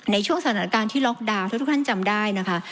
ในช่วงสถานการณ์ที่ล็อกดาวน์ทุกท่านจำได้นะคะ